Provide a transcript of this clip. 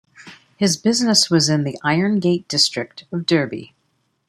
His business was in the Irongate district of Derby.